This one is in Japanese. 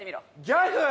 ギャグ？